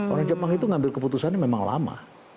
orang jepang itu mengambil keputusan memang lama